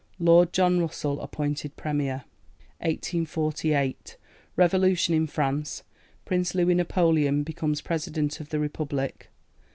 Lord John Russell appointed Premier. 1848. Revolution in France. Prince Louis Napoleon becomes President of the Republic.